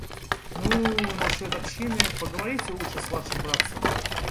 Ну, насчет общины, поговорите лучше с вашим братцем.